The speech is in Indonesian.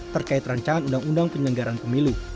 terkait rancangan undang undang penyelenggaraan pemilu